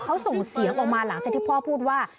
เขาส่งเสียงออกมาหลังจากที่พ่อพูดว่า